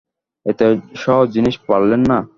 এত সহজ জিনিস পারলেন না।